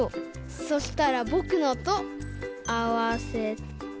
そしたらぼくのとあわせて。